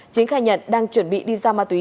chính khai nhận đang chuẩn bị đi giao ma túy